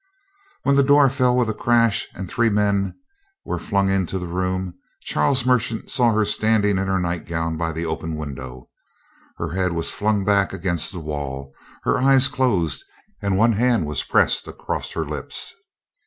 When the door fell with a crash, and three men were flung into the room, Charles Merchant saw her standing in her nightgown by the open window. Her head was flung back against the wall, her eyes closed, and one hand was pressed across her lips.